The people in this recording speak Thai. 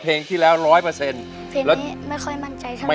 เพลงนี้ไม่ค่อยมั่นใจใช่มั้ย